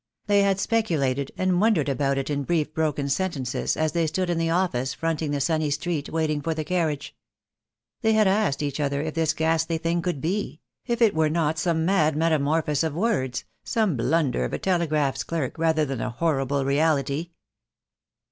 They had speculated and wondered about it in brief broken sentences as they stood in the office fronting the sunny street, waiting for the carriage. They had asked each other if this ghastly thing could be; if it were not THE DAY WILL COME. 83 some mad metamorphose of words, some blunder of a telegraph clerk's, rather than a horrible reality.